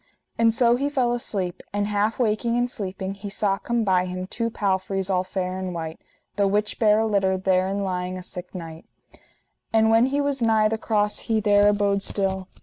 And so he fell asleep; and half waking and sleeping he saw come by him two palfreys all fair and white, the which bare a litter, therein lying a sick knight. And when he was nigh the cross he there abode still.